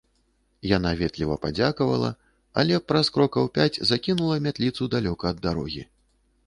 Яна ветліва падзякавала, але праз крокаў пяць закінула мятліцу далёка ад дарогі.